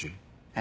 え？